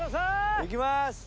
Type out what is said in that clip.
いきます！